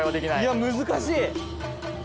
いや難しい。